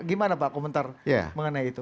gimana pak komentar mengenai itu